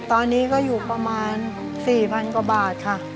ตอนนี้ก็อยู่ประมาณ๔๐๐๐กว่าบาทค่ะ